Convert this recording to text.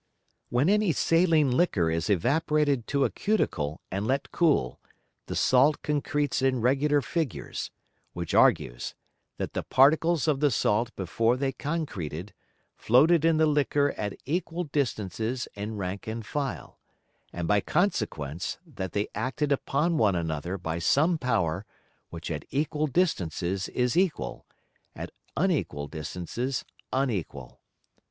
When any saline Liquor is evaporated to a Cuticle and let cool, the Salt concretes in regular Figures; which argues, that the Particles of the Salt before they concreted, floated in the Liquor at equal distances in rank and file, and by consequence that they acted upon one another by some Power which at equal distances is equal, at unequal distances unequal.